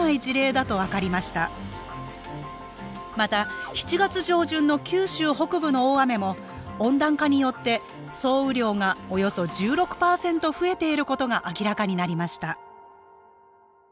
また７月上旬の九州北部の大雨も温暖化によって総雨量がおよそ１６％増えていることが明らかになりました